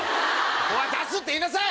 ここは出すって言いなさい！